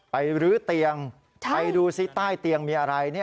รื้อเตียงไปดูซิใต้เตียงมีอะไร